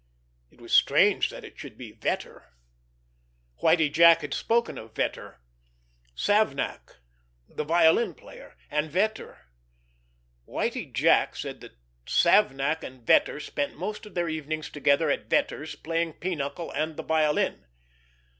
It was strange that it should be Vetter ... Whitie Jack had spoken of Vetter ... Savnak, the violin player, and Vetter ... Whitie Jack said that Savnak and Vetter spent most of their evenings together at Vetter's playing pinochle and the violin....